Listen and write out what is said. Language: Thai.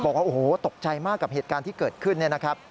บอกว่าโอ้โฮตกใจมากกับเหตุการณ์ที่เกิดขึ้น